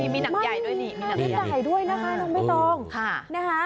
มีหนักใหญ่ด้วยนี่มีหนักใหญ่ด้วยนะคะน้องไม่ต้อง